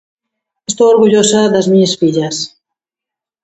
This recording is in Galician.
Estou orgullosa das miñas fillas.